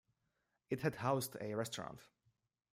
It had housed a restaurant.